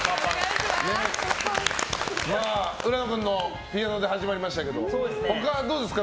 浦野君のピアノで始まりましたけど他、どうですか？